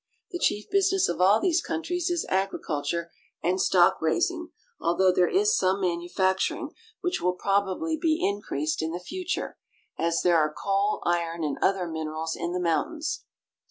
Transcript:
The chief business of all these countries is agriculture and stock raising, although there is some manufacturing, which will probably be increased in the future, as there are coal, iron, and other minerals in the mountains.